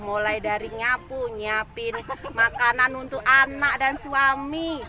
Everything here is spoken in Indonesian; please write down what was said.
mulai dari nyapu nyiapin makanan untuk anak dan suami